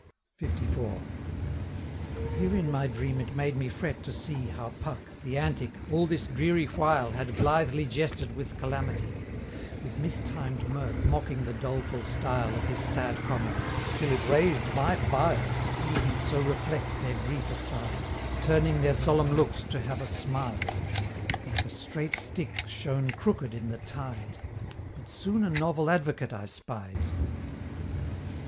LIV. Here in my dream it made me fret to see How Puck, the antic, all this dreary while Had blithely jested with calamity, With mis timed mirth mocking the doleful style Of his sad comrades, till it raised my bile To see him so reflect their grief aside, Turning their solemn looks to have a smile Like a straight stick shown crooked in the tide; But soon a novel advocate I spied. LV.